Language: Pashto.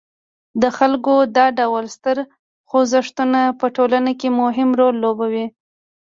د خلکو دا ډول ستر خوځښتونه په ټولنه کې مهم رول لوبوي.